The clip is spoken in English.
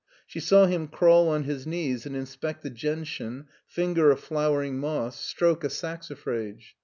She saw him crawl on his knees and inspect a gentian^ finger a flowering moss, stroke a saxifrage.